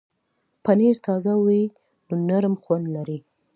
پنېر تازه وي نو نرم خوند لري.